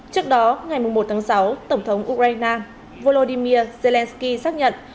trước đó ngày một tháng sáu tổng thống ukraine volodymyr zelensky xác nhận